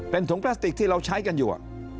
เป็นถุงพลาสติกที่เราใช้กันอยู่